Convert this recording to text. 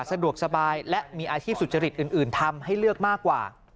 สะดวกสบายและมีอาชีพสุจริตอื่นทำให้เลือกมากกว่า